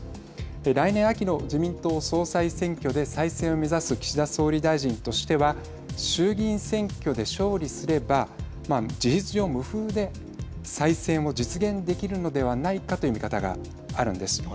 来年秋の自民党総裁選挙で再選を目指す岸田総理大臣としては衆議院選挙で勝利すれば事実上、無風で再選を実現できるのではないかという見方があるんです。